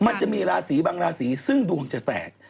มันจะมีราศีบางราศีซึ่งดวงจะแตก